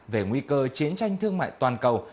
về nguy cơ chiến tranh thương mại toàn cầu